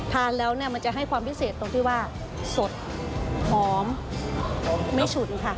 ทานแล้วเนี่ยมันจะให้ความพิเศษตรงที่ว่าสดหอมไม่ฉุนค่ะ